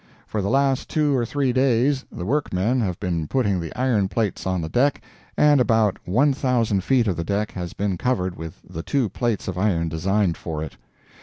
For the last two or three days, the workmen have been putting the iron plates on the deck, and about one thousand feet of the deck has been covered with the two plates of iron designed for it.